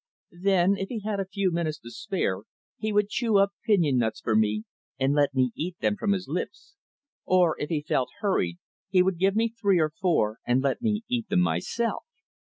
Then, if he had a few minutes to spare, he would chew up pinion nuts for me and let me eat them from his lips; or, if he felt hurried, he would give me three or four and let me eat them myself.